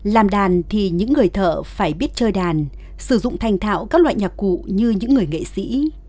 làm đàn thì những người thợ phải biết chơi đàn sử dụng thành thạo các loại nhạc cụ như những người nghệ sĩ